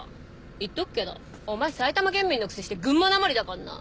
言っとくけどお前埼玉県民のくせして群馬なまりだかんな。